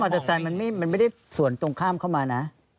แล้วมอเตอร์ไซมันไม่ได้สวนตรงข้ามเข้ามานะ